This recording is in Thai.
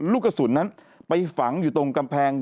ลูกกระสุนนั้นไปฝังอยู่ตรงกำแพง